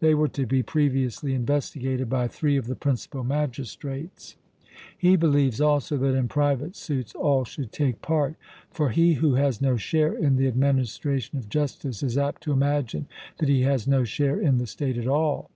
They were to be previously investigated by three of the principal magistrates. He believes also that in private suits all should take part; 'for he who has no share in the administration of justice is apt to imagine that he has no share in the state at all.'